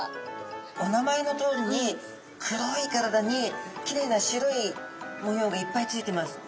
お名前のとおりに黒い体にきれいな白い模様がいっぱい付いてます。